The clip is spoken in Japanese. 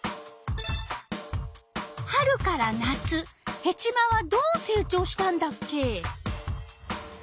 春から夏ヘチマはどう成長したんだっけ？